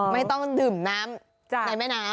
ไม่ต้องดื่มน้ำในแม่น้ำ